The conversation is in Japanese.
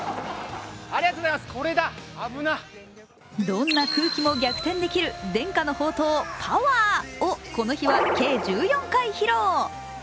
どんな空気も逆転できる伝家の宝刀・パワーをこの日は計１４回披露。